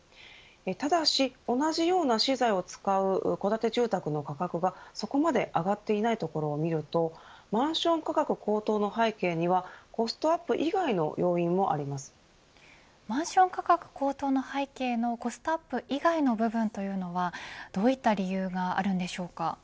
ただし同じような資材を使う戸建て住宅の価格がそこまで上がっていないところを見るとマンション価格高騰の背景にはコストアップ以外の要因もマンション価格高騰の背景のコストアップ以外の部分というのはどういった理由があるんでしょうか。